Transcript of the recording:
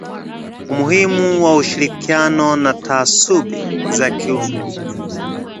umuhimu wa ushirikiano na taasubi za kiume